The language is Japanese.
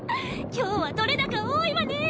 今日は撮れ高多いわね！